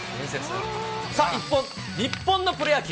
さあ、一方、日本のプロ野球。